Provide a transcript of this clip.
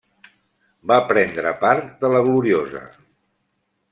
Va prendre part de la Gloriosa.